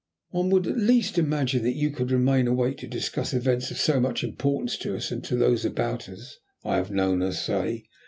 "One would at least imagine that you could remain awake to discuss events of so much importance to us and to those about us," I have known her say.